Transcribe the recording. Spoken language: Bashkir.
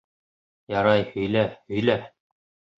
— Ярай, һөйлә, һөйлә.